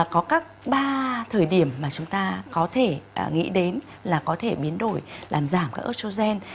có các ba thời điểm mà chúng ta có thể nghĩ đến là có thể biến đổi làm giảm các estrogen